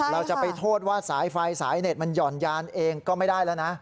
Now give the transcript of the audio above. เราจะไปโทษว่าสายไฟสายเน็ตมันหย่อนยานเองก็ไม่ได้แล้วนะ